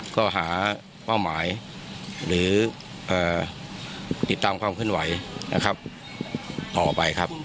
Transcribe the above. ก็หาเป้าหมายหรือติดตามความขึ้นไหวต่อไปครับ